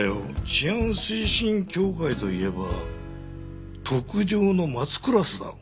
治安推進協会といえば特上の松クラスだろう。